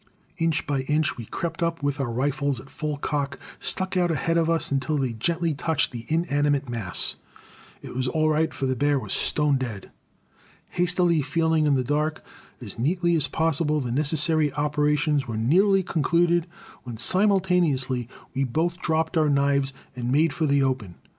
Inch by inch we crept up with our rifles at full cock stuck out ahead of us until they gently touched the inanimate mass. It was all right, for the bear was stone dead. Hastily feeling in the dark, as neatly as possible the necessary operations were nearly concluded when simultaneously we both dropped our knives and made for the open....